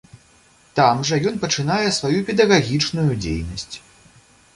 Там жа ён пачынае сваю педагагічную дзейнасць.